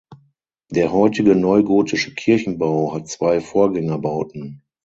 Der heutige neugotische Kirchenbau hat zwei Vorgängerbauten.